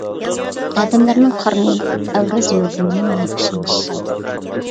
ئادەملەرنىڭ قارنى ئەۋرەز يولىدىن مىڭ ياخشىمىش!